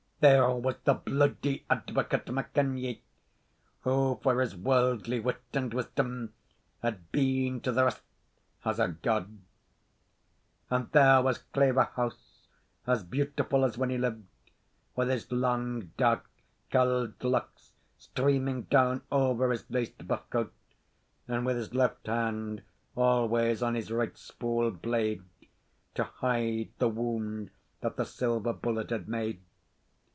There was the Bludy Advocate MacKenyie, who, for his worldly wit and wisdom, had been to the rest as a god. And there was Claverhouse, as beautiful as when he lived, with his long, dark, curled locks streaming down over his laced buff coat, and with his left hand always on his right spule blade, to hide the wound that the silver bullet had made.